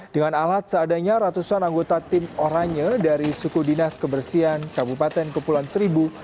dengan alat seadanya ratusan anggota tim oranye dari suku dinas kebersihan kabupaten kepulauan seribu